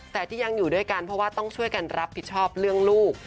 แต่ที่ยังอยู่ด้วยกันเพราะว่าต้องช่วยกันรับผิดชอบเรื่องลูก